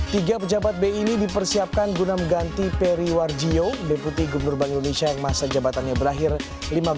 tiga pejabat bi ini dipersiapkan guna mengganti peri warjio deputi gubernur bank indonesia yang masa jabatannya berakhir lima belas